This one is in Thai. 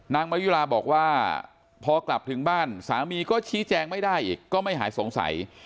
มายุลาบอกว่าพอกลับถึงบ้านสามีก็ชี้แจงไม่ได้อีกก็ไม่หายสงสัย